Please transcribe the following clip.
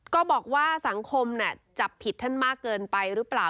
ก็บอกว่าสังคมจับผิดท่านมากเกินไปหรือเปล่า